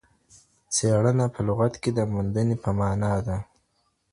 څېړنه په لغت کې د موندنې په مانا ده.